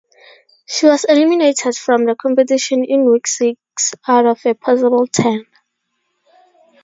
She was eliminated from the competition in week six out of a possible ten.